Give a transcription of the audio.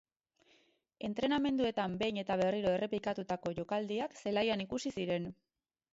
Entrenamenduetan behin eta berriro errepikatutako jokaldiak zelaian ikusi ziren.